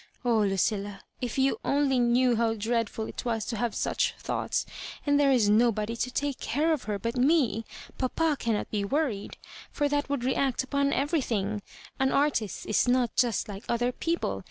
*• Oh, Lucilla, if you only knew how dreadful it was to have such thoughts — and there is nobody to take care of her bvit me ! Papa cannot he worried, for that would react upon everjrthing. An artist is not just like other people.